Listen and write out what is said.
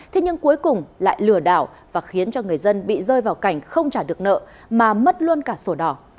thế nhưng cuối cùng lại lừa đảo và khiến cho người dân bị rơi vào cảnh không trả được nợ mà mất luôn cả sổ đỏ